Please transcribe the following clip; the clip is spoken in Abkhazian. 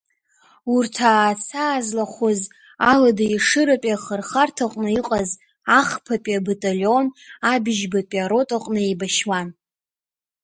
Урҭ Аацаа злахәыз Алада Ешыратәи ахырхарҭаҟны иҟаз ахԥатәи абаталион абжьбатәи арота аҟны еибашьуан.